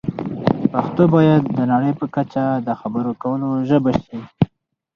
پښتو باید د نړۍ په کچه د خبرو کولو ژبه شي.